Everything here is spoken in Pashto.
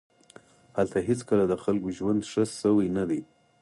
هلته هېڅکله د خلکو ژوند ښه شوی نه دی